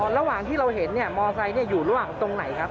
ระหว่างที่เราเห็นเนี่ยมอไซค์อยู่ระหว่างตรงไหนครับ